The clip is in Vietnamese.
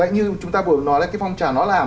như chúng ta vừa nói là cái phong trà nó là